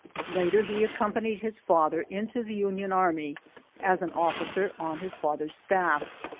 Later he accompanied his father into the Union Army as an officer on his father's staff.